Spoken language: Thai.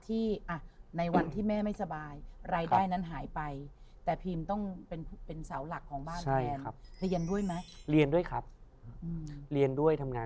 ตอนนั้นพีมเข้าวงการแล้วยัง